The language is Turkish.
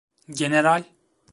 General.